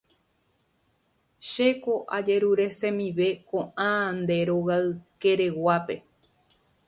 Chéko ajeruresemive ko'ã nde rogaykereguápe